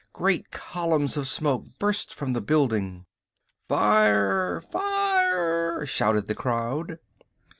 Great columns of smoke burst from the building. "Fire! Fire!" shouted the crowd.